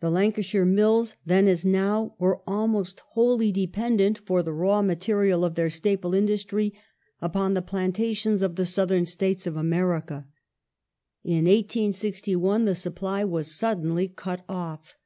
The Lancashire mills, then as now,^ were almost wholly dependent for the raw material of their staple industry upon the plantations of the southern States of America. In 1861 the supply was suddenly cut off.